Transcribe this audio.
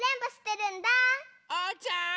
・おうちゃん！